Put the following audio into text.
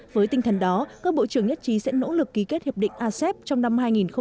với tinh thần đó các bộ trưởng nhất trí sẽ nỗ lực ký kết hiệp định asep trong năm hai nghìn hai mươi